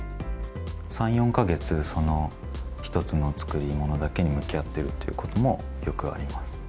３、４か月、その一つの作り物だけに向き合っているということもよくあります。